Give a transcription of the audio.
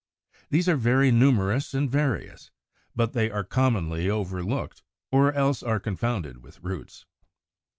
= These are very numerous and various; but they are commonly overlooked, or else are confounded with roots.